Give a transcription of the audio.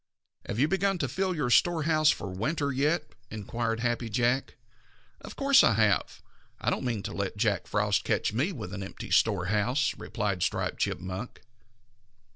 "Have you begun to fill your storehouse for winter yet?" inquired Happy Jack. "Of course I have. I don't mean to let Jack Frost catch me with an empty storehouse," replied Striped Chipmunk.